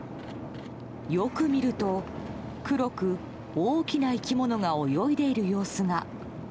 よく見ると黒く大きな生き物が泳いでいる様子が。